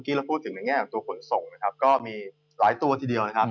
ก็มีหลายตัวที่เดียวนะครับ